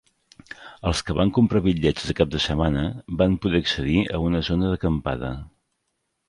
Els que van comprar bitllets de cap de setmana van poder accedir a una zona d'acampada.